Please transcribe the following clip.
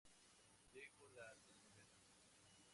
Dejó la telenovela.